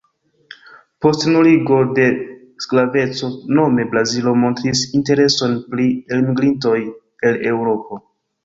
Post nuligo de sklaveco nome Brazilo montris intereson pri elmigrintoj el Eŭropo.